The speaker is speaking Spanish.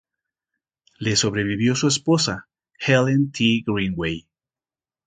Le sobrevivió su esposa, Helen T. Greenway.